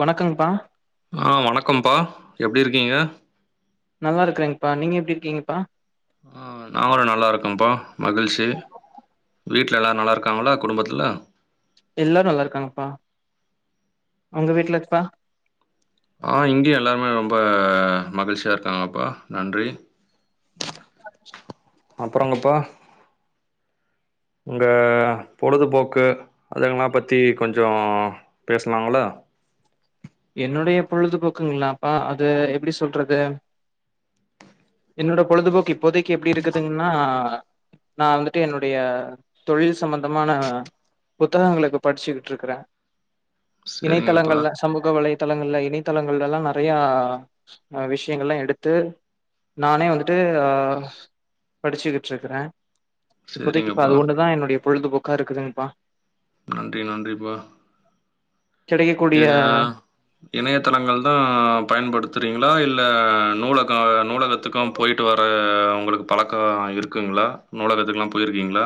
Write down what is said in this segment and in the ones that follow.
வணக்கங்ப்பா ஆ வணக்கம்ப்பா எப்டி இருக்கீங்க நல்லா இருக்றேங்ப்பா நீங்க எப்டி இருக்கீங்கப்பா ஆ நாங்களு நல்லா இருக்கோம்ப்பா மகிழ்ச்சி, வீட்ல எல்லாரு நல்லா இருக்காங்களா குடும்பத்துல எல்லாரு நல்லா இருக்காங்கப்பா உங்க வீட்லங்ப்பா ஆ இங்கையு எல்லாருமே ரொம்ப மகிழ்ச்சியா இருக்காங்கப்பா நன்றி அச்சோ அப்பறங்கப்பா உங்க பொழுதுபோக்கு அதுங்கல்லா பத்தி கொஞ்சோ பேசலாங்களா என்னுடைய பொழுதுபோக்குங்களாப்பா அது எப்டி சொல்றது என்னோட பொழுதுபோக்கு இப்போதைக்கு எப்டி இருக்குதுங்கன்னா நா வந்துட்டு என்னுடைய தொழில் சம்பந்தமான புத்தகங்கள இப்ப படிச்சுகிட்டு இருக்கற சரிங்கப்பா இணைத்தளங்கள்ல சமூ வலைத்தளங்கள்ல இணைத்தளங்கள் எல்லா நறையா விஷயங்கள்லா எடுத்து நானே வந்துட்டு படிச்சிக்கிட்டு இருக்கற இப்போதைக்கு சரிங்கப்பா அது ஒண்ணுதா என்னுடைய பொழுதுபோக் க்கா இருக்குதுங்ப்பா நன்றி நன்றிப்பா ஏ கிடைக்கக்கூடிய இணையதளங்கள் தா பயன்படுத்துறீங் ங்ளா இல்ல நூலக நூலகத்துக்கோ போயிட்டு வர உங்குளுக்கு பழக்கோ இருக்குங்ளா நூலகத்துக்லா போயிர்க்கீங்ளா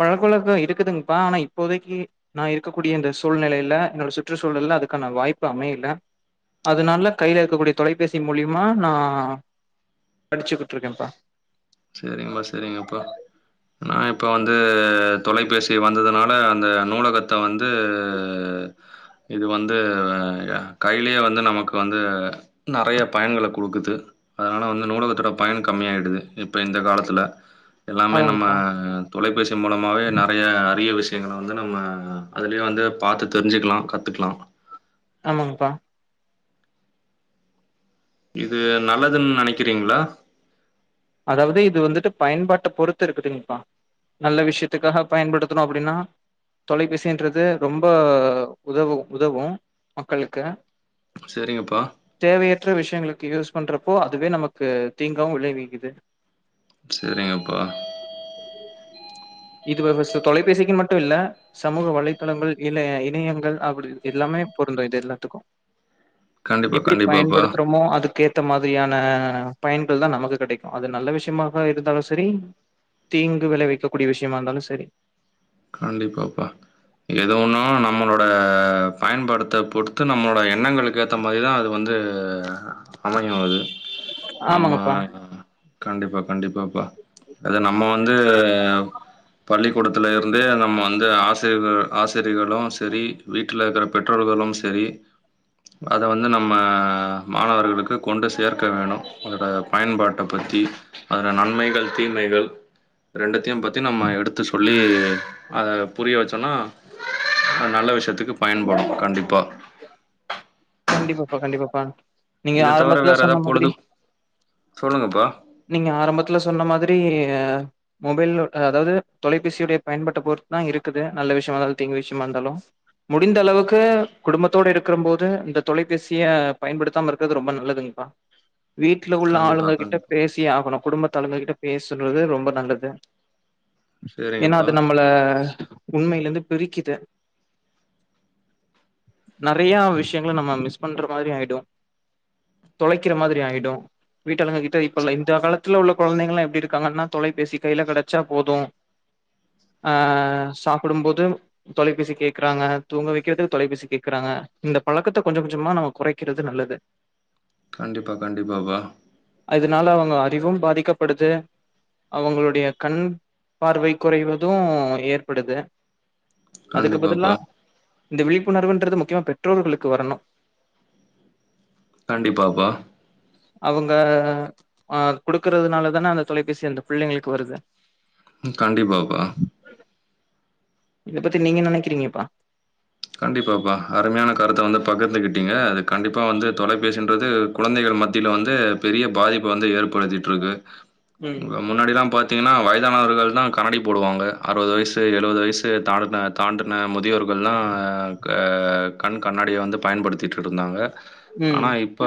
பழக்கவழகோ இருக்குதுங்பா ஆனா இப்போதைக்கி நா இருக்கக்கூடியந்தே சூழ்நெலையிலே என்னோட சுற்று சூழல்லே அதுக்கான வாய்ப்பு அமையிலே அதுனாலே கைலே இருக்கக்கூடிய தொலைபேசி மூலியுமா நா படிச்சுக்கிட்ருக்கேம்பா செரிங்மா செரிங்கப்பா நா இப்ப வந்து தொலைபேசி வந்ததுனாலே அந்த நூலகத்தே வ து இது வந்து ய கையிலியே வந்து நமக்கு வந்து நறைய பயன்கள குடுக்குது அதனால வந்து நூலகத்தோட பயனு கம்மியாய்டுது இப்ப இந்த காலத்துல எல்லாமே நம்ம ஆமாங்கப்பா, தொலைபேசி மூலமாவே நறைய அரிய விஷ் எங்கள வந்து நம்ம அதுலியே வந்து பாத்து தெரிஞ்சுக்லா கத்துக்லா ஆமாங்ப்பா இது நல்லதுன் நெனைக்றீங்ளா அதாவ்து இது வந்துட்டு பயன்பாட்ட பொறுத்து இருக்குதுங்ப்பா நல்ல விஷ்யத்துக்காக பயன்படுத்துனோ அப்டின்னா தொலைபேசின்றது ரொம்ப உதவு உதவும் மக்களுக்கு சரிங்கப்பா, தேவையற்ற விஷ்யங்களுக்கு யூஸ் பண்ற ப்போ அதுவே நமக்கு தீங்காவு விளைவிக்கிது செரிங்கப்பா இது வ வஸ்சு தொலைபேசிக்குன் மட்டு இல்ல சமூக வலைதளங்கள் இல்ல இணையங்கள் அப்பிடி எல்லாமே பொருந்து இது எல்லாத்துக்கு கண்டிப்பா, எப்டி கண்டிப்பாப்பா. பயன்படுத்துறோமோ அதுக்கேத்த மா திரியான பயன்கள் தா நமக்கு கெடைக் அது நல்ல விஷ்யமாக இருந்தாலு செரி தீங்கு விளைவிக்கக் கூடிய விஷ்யமாருந்தாலு செரி கண்டிப்பாப்பா எது ஒன்னு நம்மளோட பயன்பாடுத்த பொறுத்து நம்ளோட எண்ணங்களுக்கு ஏத்த மாரிதா அது வந்து அமையு அது ஆமா ஆமாங்கப்பா. கண்டிப்பா கண்டிப்பாப்பா அத நம்ம வந்து பள்ளிகூடத்துலயோ வந்து நம்ம வந்து ஆசிர்கள் ஆசிரிகளு செரி வீட்ல இருக்கற பெற்றோர்களும் செரி அத வந்து நம்ம மாணவர்களுக்கு கொண்டு சேர்க்க வேணும் அதோட பயன்பாட்ட பத்தி அதல நன்மைகள் தீமைகள் ரெண்டு த்தியும் பத்தி நம்ம எடுத்து சொல்லி அத புரிய வச்சோன்னா நல்ல விஷ்யத்துக்கு பயன்படு கண்டிப்பா கண்டிப்பாப்பா கண்டிப்பாப்பா நீங்க இத தவிர ஆரம்பத்ல வேற ஏதா சொன்ன மாதிரி பொழுது சொல்லுங்கப்பா நீங்க ஆரம்பத்ல சொன்ன மாதிரி மொபைல் அதாவ்து தொலைபேசியுடைய பயன்பாட்ட பொறுத்து தா இருக்குது நல்ல விஷ்யமா இந்தாலு தீங்கு விஷ்யமா இந்தாலு முடிந்த அளவுக்கு குடும்பத்தோட இருக்கிறம் போது இந்த தொலைபேசிய பயன்படுத்தாம இருக்கது ரொம்ப நல்லதுங்ப்பா வீட்ல உள்ள கண்டிப்பா ஆளுங்க கிட்ட கண்டிப்பா ஆகணு குடும்பத்தலைமை கிட்ட பேசுறது ரொம்ப நல்லது ஏன்னா சேரிங்கப்பா அது நம்மள உண்மையிலிந்து பிரிக்குது நறையா விஷ்யங்கள நம்ம மிஸ் பண்ற மாரி ஆயிடு தொலைக்கிற மாதிரி ஆயிடு வீட்டாளுங்க கி ப்பல்ல இந்த காலத் த்துல உள்ள கொழந்தைங்கல்லா எப்டி இருக்காங்கன்னா தொலைபேசி கைல கெடச்சா போது அ சாப்பிடும் போது தொலைபேசி கேக்குறாங்க தூங்க வெக்கிறதுக்கு தொலைபேசி கேக்குறாங்க இந்த பழக்கத்த கொஞ்ச கொஞ்சமா நம்ம குறைக்கிறது நல்லது கண்டிப்பா கண்டிப்பாப்பா இதனால அவுங்க அறிவும் பாதிக்கப்படுது அவுங்களுடைய கண் பார்வை குறைவதூ ஏற்படுது அதுக்கு பதில்லா கண்டிப்பாப்பா இந்த விழிப்புணர்வுன்றது முக்கியமா பெற்றோர்களுக்கு வரணு கண்டிப்பாப்பா அவுங்க அ குடுக்கறதுனால தான அந்த தொலைபேசி அந்த பிள்ளைங்ளுக்கு வருது கண்டிப்பாப்பா இத பத்தி நீங்க என்ன நெனைக்கிறீங்கப்பா கண்டிப்பாப்பா அருமையான கருத்த வந்து பகிர்ந்துகிட்டீங்க அது கண்டிப்பா வந்து தொலைபேசின்றது குழந்தைகள் மத்தியில வந்து பெரிய பாதிப்ப வந்து ஏற்படுத்திட்டு இருக்கு ம். மு முன்னாடில்லா பாத் த்தீங்கன்னா வயதானவர்கள் தா கண்ணாடி போடுவாங்க அறுவது வயசு எழுவது வயசு தாலுன தாண்டுன முதியவர்கள்ல்லா அ க கண் கண்ணாடிய வந்து பயன்படுத்திட்டு இருந்தாங்க ம். ஆனா இப்ப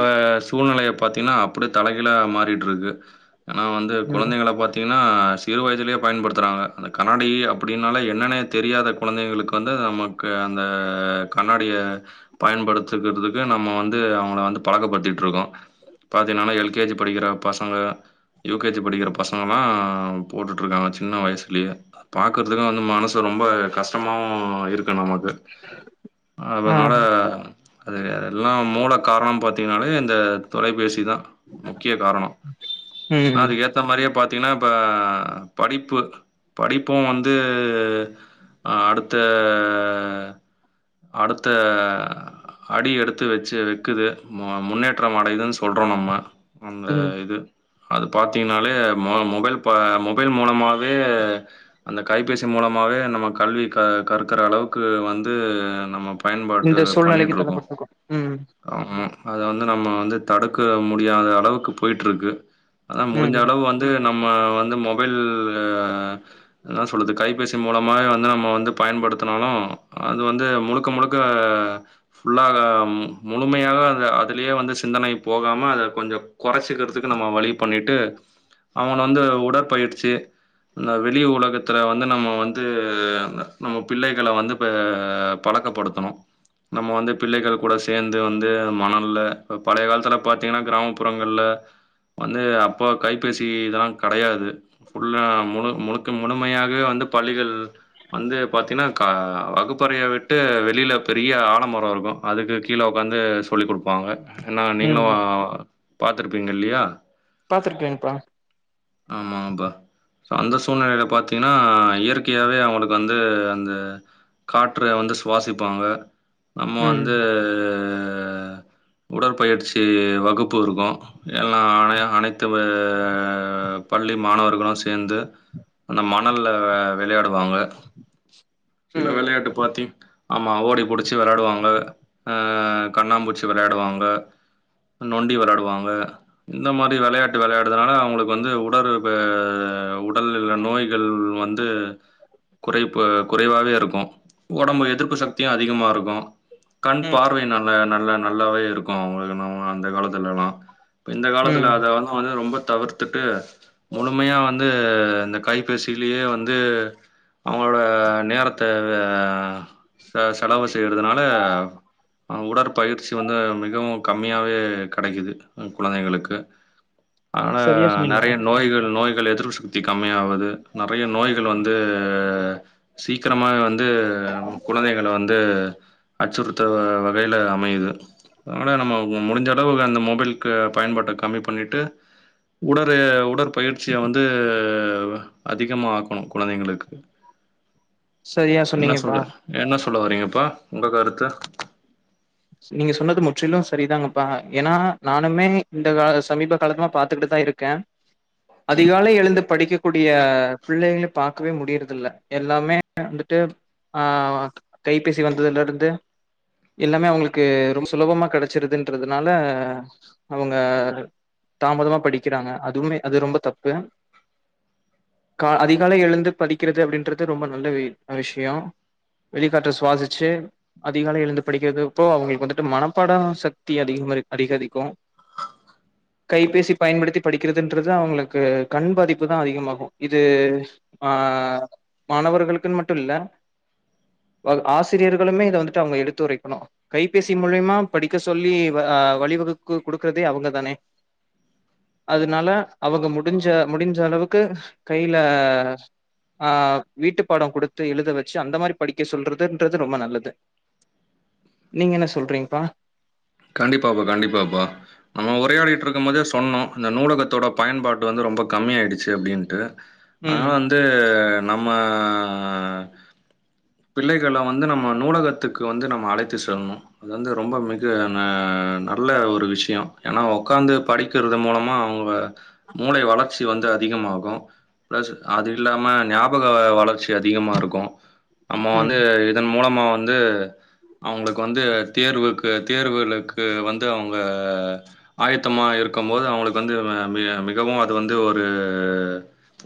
சூழ்நிலையப் பாத்தீங்கன்னா அப்பிடி தலைகீழா மாறிட்டிருக்கு ஏன்னா வந்து ம். கொழந்தைங்கள பாத்தீங்க ன்னா சிறு வயதிலேயே பயன்படுத்துறாங்க அந்த கண்ணாடி அப்படின்னால என்னான்னே தெரியாத கொழந்தைகளுக்கு வந்து நமக்கு அந்த கண்ணாடிய பயன்படுத்துக்கிறதுக்கு நம்ம வந்து அவங்கள வந்து பழக்கப்படுத்திட்ருக்கோ பாத்தீங்கன்னா எல் கே ஜி படிக்கிற பசங்க யூ கே ஜி படிக்கிற பசங்கல்லா போட்டுட் டிருக்காங்க சின்ன வயசுலயே பாக்கறதுக்கு வந்து மனசு ரொம்ப கஷ்டமாவு இருக்கு நமக் ஆ. அதனால அது அதெல்லா மூல காரணம் பாத்தீங்கன்னாலே இந்த தொலைபேசி இதான் முக்கிய காரணம் ஆனா ம். அதுக்கு ஏத்த மாதிரியே பாத் ர்த்தீங்கன்னா இப்போ படிப்பு படிப்பும் வந்து அடுத்த அடுத்த அடி எடுத்து வச்சு வக்குது முன்னேற்றம் அடையுதுன்னு சொல்றோம் நம்ம அந்த ம். இது அது பாத்தீங்கன்னாலே மொபைல் மொபைல் மூலமாவே அந்த கைப்பேசி மூலமாவே நம்ம கல்வி கற் கற்கிற அளவுக்கு வந்து து நம்ம பயன்பாட்டு இந்த சூழ்நிலைக்கு பண்ணிகிட்ருக்கோம் தள்ளப்பட்டிருக்கோம் ம் ஆமா அத வந்து நம்ம வந்து தடுக்க முடியாத அளவுக்கு போயிட்டுருக்கு அதான் முடிஞ்ச ம். அளவு வந்து நம்ம வந்து மொபைல் என்ன சொல்லுது கைபேசி மூலமாகவே வந்து நம்ம வந்து பயன்படுத்தினாலும் அது வந்து முழுக்க முழுக்க ஃபுல்லாக முழுமையாக அந்த அதுலயே வந்து சிந்தனை போகாம அதக் கொஞ்சம் கொறைச்சிக்கிறதுக்கு நம்ம வழி பண்ணிட்டு அவங்கள வந்து உடற்பயிற்சி அந்த வெளி உலகத்தில வந்து நம்ம வந்து நம்ம பிள்ளைகளை வந்து அஹ் பழக்கப்படுத்தணும் நம்ம வந்து பிள்ளைகள் கூட சேர்ந்து வந்து மணல்ல இப்போ பழைய காலத்துல பார்த்தீங்கன்னா கிராமப்புறங்கள்ல வந்து அப்போ கைபேசி இதெல்லாம் கெடையாது ஃபுல்லா முணு முழுக்க முழுமையாகவே வந்து பள்ளிகள் வந்து பார்த்தீன்னா கா வகுப்பறைய விட்டு வெளியில பெரிய ஆலமரோ இருக்கும் அதுக்கு கீழே உக்காந்து சொல்லிக் குடுப்பாங்க ஏன்னா நீங்களும் ம். பாத்துருப்பீங்க இல்லையா பாத்துருக்கேம்ப்பா ஆமாங்கப்பா அந்த சூழ்நிலையில பாத்தீங்கன்னா இயற்கையாவே அவங்களுக்கு வந்து அந்த காற்ற வந்து சுவாசிப்பாங்க நம்ம ம். வந்து அஹ் உடற்பயிற்சி வகுப்பு இருக்கும் ஏல்லாம் ஆனைய அனைத்து பள்ளி மாணவர்களும் சேர்ந்து அந்த மணல்ல வெளையாடுவாங்க சில ம். வெளையாட்டு பாத்தி ஆமாம் ஓடி பிடிச்சி விளையாடுவாங்க கண்ணாம்பூச்சி விளையாடுவாங்க நொண்டி விளையாடுவாங்க இந்த மாதிரி விளையாட்டு விளையாடுதுனால அவங்களுக்கு வந்து தொடர் உடல் நோய்கள் வந்து குறைப்பு குறைவாவே இருக்கும் உடம்பு எதிர்ப்பு சக்தியும் அதிகமா இருக்கும் கண் ம். பார்வை நல்ல நல்ல நல்லாவே இருக்கும் அவங்களுக்கு நம்ம அந்த காலத்துல எல்லாம் இப்ப இந்த காலத்துல ம். அத வான் வந்து ரொம்ப தவிர்த்துட்டு முழுமையா வந்து இந்த கைபேசியிலயே வந்து அவங்களோட நேரத்த ச செலவு செய்யறதுனால் உடற்பயிற்சி வந்து மிகவும் கம்மியாவே கிடைக்குது குழந்தைகளுக்கு சரியஸ் சொன்னிங்க நிறைய நோய்கள் நோய்கள் எதிர்ப்பு சக்தி கம்மியாவது நிறைய நோய்கள் வந்து சீக்க சக்கிரமா வந்து வந்து குழந்தைங்க வந்து அச்சுறுத்த வகையில அமையுது அதனால நம்ம முடிஞ்ச அளவு அந்த மொபைல்க்கு பயன்பாட்ட கம்மி பண்ணிட்டு உட ட உடற்பயிற்சிய வந்து அதிகமா ஆக்கணு குழந்தைங்களுக்கு சரியா என்ன சொன்னீங்கப்பா சொல்ல என்ன சொல்ல வரீங்கப்பா உங்க கருத்து நீங்க சொன்னது முற்றிலு சரிதாங்கப்பா ஏன்னா நானுமே இந்த கா சமீப காலமா பாத்துக்கிட்டுதா இருக்கே அதிகாலை எழுந்து படிக்கக்கூடிய பிள்ளைள பாக்கவே முடியுறது இல்ல எல்லாமே வந்துட்டு ஆஹ் கைபேசி வந்ததுல இருந்து எல்லாமே அவங்களுக்கு க்கு ரொம்ப சுலபமா கெடச்சிருதுன்றதுனால அவங்க தாமதமா படிக்கிறாங்க அதுமே அது ரொம்ப தப்பு கா அதிகாலை எழுந்து படிக்கிறது அப்டின்றது ரொம்ப நல்ல வெ விஷய வெளிகாற்ற சுவாசிச்சு அதிகாலை எழுந்து படிக்கிறது இப்போ அவங்களுக்கு வந்துட்டு மனப்பாட சக்தி அதிக அதிகரிக்கு கைபேசி பயன்படுத்தி படிக்கிறதுன்றது அவங்களுக்கு கண் பாதிப்பு தா அதிகமாகு இது ஆஹ் மாணவர்களுக்குனு மட்டு இல்ல ஆசிரியர்களுமே இத வந்துட்டு அவங்க எடுத்து உரைக்கனு கைபேசி மூலியமா படிக்க சொல்லி ஆ வழிவகுக்கு குடுக்குறதே அவங்கதானே அதனால அவங்க முடிஞ்ச முடிஞ்ச அளவுக்கு கையில ஆஹ் வீட்டு பாட குடுத்து எழுத வச்சு அந்த மாரி படிக்க சொல்றதுன்றது ரொம்ப நல்லது நீங்க என்ன சொல்றீங்ப்பா கண்டிப்பாப்பா கண்டிப்பாப்பா நம்ம உரையாடிட்டு இருக்கும் போதே சொன்னோ இந்த நூலகத்தோட பயன்பாடு வந்து ரொம்ப கம்மி ஆயிடுச்சு அப்டின்ட்டு அதனால ம் வந்து நம்ம பிள்ளைகள வந்து நம்ம நூலகத்துக்கு வந்து நம்ம அழைத்து செல்லணு அது வந்து ரொம்ப மிக அஹ் நல்ல ஒரு விஷய ஏனா உக்காந்து படிக்கிறது மூலமா அவங்க மூளை வளர்ச்சி வந்து அதிகமாகு பிளஸ் அது இல்லாம ஞாபக வளர்ச்சி அதிகமா இருக்கு நம்ம ம் வந்து இதன் மூலமா வந்து அவங்களுக்கு வந்து தேர்வுக்கு வந்து தேர்வுகளுக்கு வந்து அவுங்க ஆயத்தமாக இருக்கு போது அவங்களுக்கு வந்து ம மிகவு அது வந்து ஒரு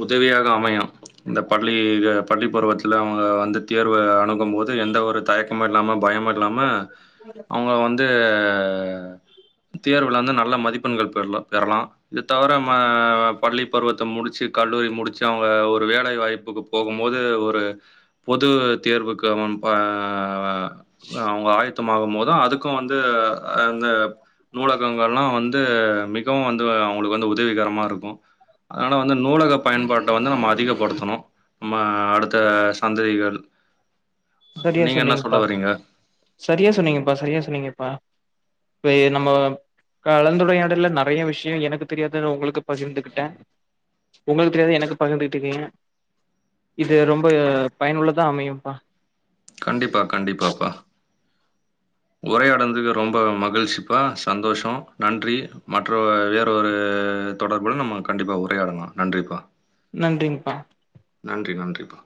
உதவியாக அமையு இந்த பள்ளி பள்ளிப்பருவத்ல அவங்க வந்து தேர்வு அணுகும் போது எந்த ஒரு தயக்கமு இல்லாம பயமுஇல்லாம வந்து தேர்வுல வந்து நல்ல மதிப்பெண்கள் பெற்லா பெறலா இது தவிர பள்ளி பருவத்த முடிச்சு கல்லூரி முடிச்சு அவங்க ஒரு வேலை வாய்ப்புக்கு போகும்போது ஒரு பொது தேர்வுக்கு ஆ அவங்க ஆயத்து ஆகமோது தா அதுக்கு வந்து அந்த நூலகங்கள்லா வந்து ஆ மிகவு வந்து அவுங்குளுக்கு வந்து உதவிகரமா இருக்கோ அதனால வந்து நூலக பயன்பாட்ட வந்து நம்ம அதிகப்படுத்தணு மா அடுத்த சந்ததிகள் சரியா நீங்க என்ன சொல்ல சொன்னீங்கப்பா வரீங்க சரியா சொன்னீங்கப்பா சரியா சொன்னீங்கப்பா வே நம்ம கலந்துரையாடல நெறய விஷய எனக்கு தெரியாதத உங்களுக்கு பகிர்ந்துகிட்டே உங்களுக்கு தெரியாதத எனக்கு பகிர்ந்துகிட்டுகீங்க இது ரொம்ப பயனுள்ளதா அமையும்ப்பா கண்டிப்பா கண்டிப்பாப்பா உரையாடனதுக்கு ரொம்ப மகிழ்ச்சிப்பா சந்தோஷோ நன்றி மற்ற வேற ஒரு தொடர்புல நம்ம கண்டிப்பா உரையாடலா நன்றிப்பா நன்றிங்கப்பா நன்றி நன்றிப்பா